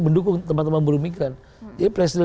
mendukung teman teman buru migran jadi presiden